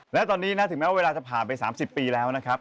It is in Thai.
และตอนนี้นะถึงแม้ว่าเวลาจะผ่านไป๓๐ปีแล้วนะครับ